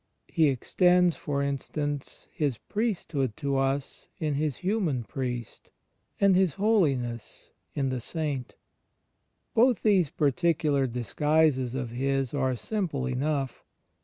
He extends, for in stance. His Priesthood to us in His human priest, and His Holiness in the saint. Both these particular disguises of His are simple enough.